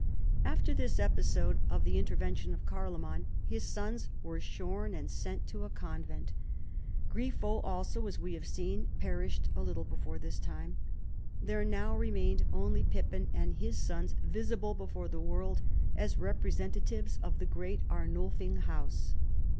PIPPIN, KING OF THE FRANKS. 97 After this episode of the intervention of Carlo man, his sons were shorn and sent to a conventy Grifo also, as Ave have seen, perished a little before this time. There now remained only Pippin and his sons visibly before the world as representatives of the great Arnulfing House.